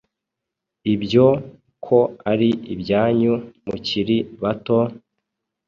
Ibyo ko ari ibyanyu mukiri bato,